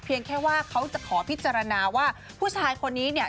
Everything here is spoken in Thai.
แค่ว่าเขาจะขอพิจารณาว่าผู้ชายคนนี้เนี่ย